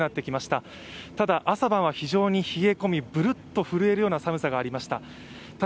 ただ、朝晩は非常に冷え込み、ブルっと震えるような寒さがありました。